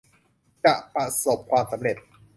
จะประสบความสำเร็จ